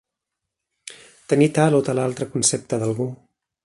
Tenir tal o tal altre concepte d'algú.